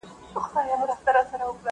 چي مي هر څه غلا کول دې نازولم.!